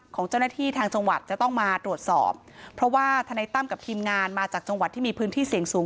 ของเจ้าหน้าที่ทางจังหวัดจะต้องมาตรวจสอบเพราะว่าธนายตั้มกับทีมงานมาจากจังหวัดที่มีพื้นที่เสี่ยงสูง